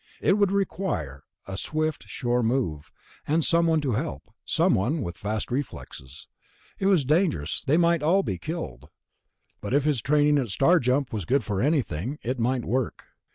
It would require a swift, sure move, and someone to help, someone with fast reflexes. It was dangerous; they might all be killed. But if his training at Star jump was good for anything, it might work.